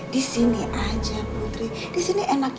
disini aja putri disini enaknya ya